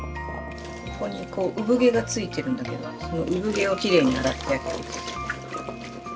ここにこう産毛がついてるんだけどその産毛をきれいに洗ってあげる。